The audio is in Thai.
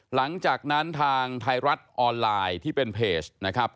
หลังจากนั้นทางไทยรัฐออนไลน์ที่เป็นเพจนะครับ